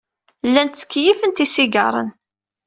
Llant ttkeyyifent isigaṛen.